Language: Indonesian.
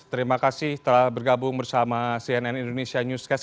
terima kasih telah bergabung bersama cnn indonesia newscast